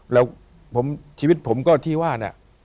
แล้วชีวิตผมก็ที่ว่าเนี่ย